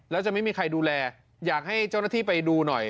แล้วจะไม่มีใครดูแลอยากให้เจ้าหน้าที่ไปดูหน่อย